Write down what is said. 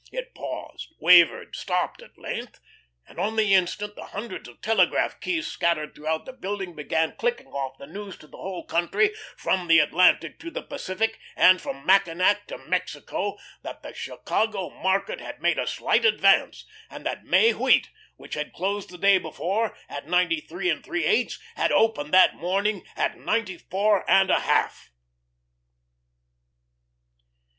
It paused, wavered, stopped at length, and on the instant the hundreds of telegraph keys scattered throughout the building began clicking off the news to the whole country, from the Atlantic to the Pacific and from Mackinac to Mexico, that the Chicago market had made a slight advance and that May wheat, which had closed the day before at ninety three and three eighths, had opened that morning at ninety four and a half.